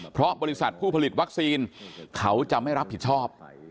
เพราะบริษัทผู้ผลิตวัคซีนเขาจะไม่รับผิดชอบ